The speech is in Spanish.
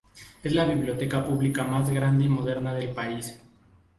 Es la biblioteca pública más grande y moderna del país.